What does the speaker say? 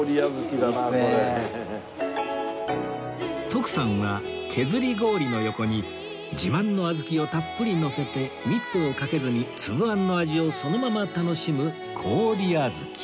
徳さんは削り氷の横に自慢の小豆をたっぷりのせて蜜をかけずに粒あんの味をそのまま楽しむ氷あずき